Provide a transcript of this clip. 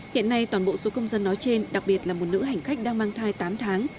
hiện nay toàn bộ số công dân nói trên đặc biệt là một nữ hành khách đang mang thai tám tháng